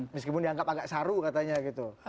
meskipun dianggap agak saru katanya gitu